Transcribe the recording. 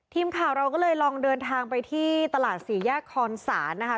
ทีมข่าวเราก็เลยลองเดินทางไปที่ตลาดสี่แยกคอนศาลนะคะ